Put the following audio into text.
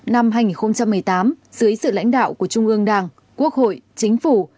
năm hai nghìn một mươi tám dưới sự lãnh đạo của trung ương đảng quốc hội chính phủ